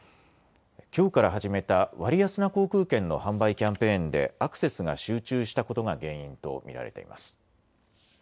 きょうから始めた割安な航空券の販売キャンペーンでアクセスが集中したことが原因と見られています。